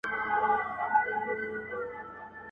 مور له زامنو څخه پټیږي.